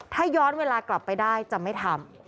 ถ้าย้อนเวลากลับไปได้จะไม่ทำ